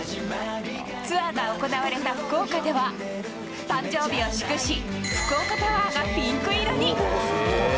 ツアーが行われた福岡では、誕生日を祝し、福岡タワーがピンク色に。